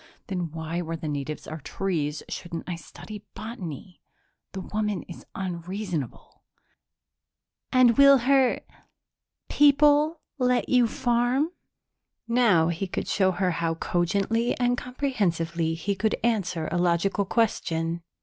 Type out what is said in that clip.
Then why, where the natives are trees, shouldn't I study botany? The woman is unreasonable._ "And will her people let you farm?" Now he could show her how cogently and comprehensively he could answer a logical question.